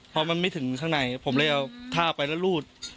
พอมันไม่ถึงข้างในผมเลยเอาท่าไปแล้วรูด